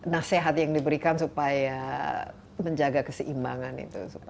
nasihat yang diberikan supaya menjaga keseimbangan itu